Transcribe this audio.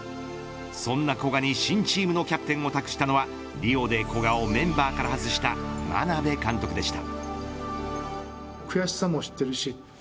そんな古賀に新チームのキャプテンを託したのはリオで古賀をメンバーから外した眞鍋監督でした。